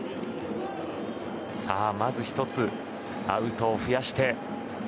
まず１つ、アウトを増やして。